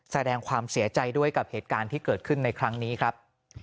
แสดงความเสียใจด้วยกับเหตุการณ์ที่เกิดขึ้นในครั้งนี้ครับ